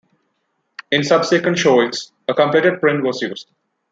In subsequent showings, a completed print was used.